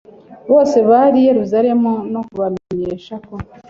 bose bari i yerusalemu no kubamenyesha ko